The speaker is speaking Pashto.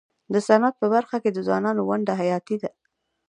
د صنعت په برخه کي د ځوانانو ونډه حیاتي ده.